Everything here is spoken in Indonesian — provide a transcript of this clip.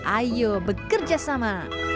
ayo bekerja sama